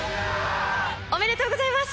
おめでとうございます。